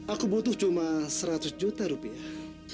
aku butuh cuma seratus juta rupiah